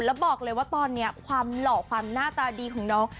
แล้วบอกเลยว่าตอนนี้ความหล่อความหน้าตาดีของน้อง